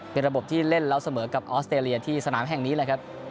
เป็นระบบที่เล่นแล้วเสมอกับออสเตรเลียที่สนามแห่งนี้แหละครับ